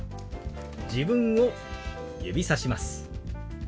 自分を指さします。